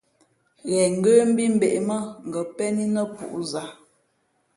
Ghen ngə́ mbí mbᾱʼ ē mά ngα̌ pén í nά pūʼ zǎ.